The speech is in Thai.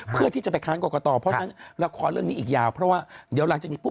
เพราะสอทุกคนจะได้รู้